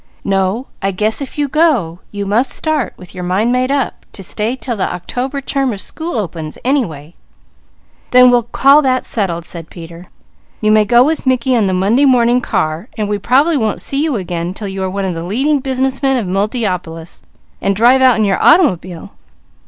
No, I guess if you go, you must start with your mind made up to stay till the October term of school opens, anyway." "Then we'll call that settled," said Peter. "You may go with Mickey on the Monday morning car and we probably won't see you again till you are one of the leading business men of Multiopolis, and drive out in your automobile.